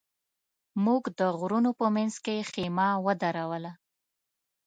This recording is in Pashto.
موږ د غرونو په منځ کې خېمه ودروله.